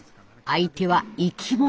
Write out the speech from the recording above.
「相手は生き物。